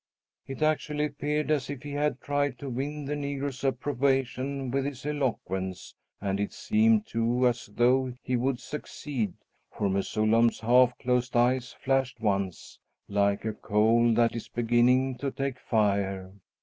It actually appeared as if he had tried to win the negro's approbation with his eloquence. And it seemed, too, as though he would succeed, for Mesullam's half closed eyes flashed once, like a coal that is beginning to take fire.